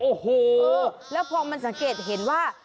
โอ้โหแล้วพอมันสังเกตเห็นว่า